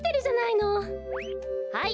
はい。